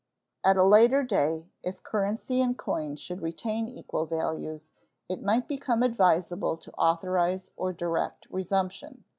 At a later day, if currency and coin should retain equal values, it might become advisable to authorize or direct resumption.